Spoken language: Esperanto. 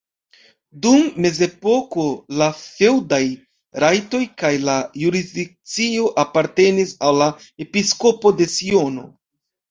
Dum mezepoko la feŭdaj rajtoj kaj la jurisdikcio apartenis al la episkopo de Siono.